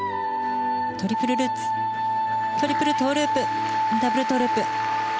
トリプルルッツトリプルトウループダブルトウループ。